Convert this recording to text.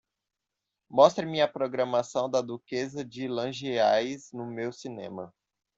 mostre-me a programação da Duquesa de Langeais no meu cinema